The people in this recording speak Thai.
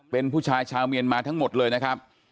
เป็นผู้ชายชาวเมียนมาทั้งหมดเลยนะครับ